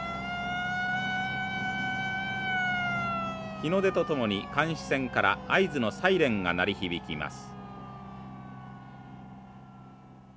日の出とともに監視船から合図のサイレンが鳴り響きます。